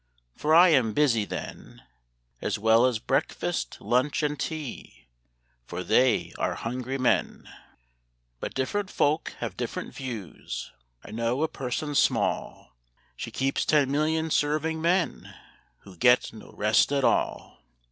For I am busy then, As well as breakfast, lunch, and tea, For they are hungry men: But different folk have different views: I know a person small She keeps ten million serving men, Who get no rest at all!